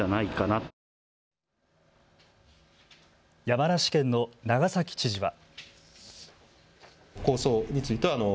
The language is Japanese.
山梨県の長崎知事は。